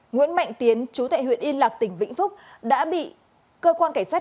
nguyễn mạnh tiến chú tại huyện yên lạc tỉnh vĩnh phúc đã bị cơ quan cảnh sát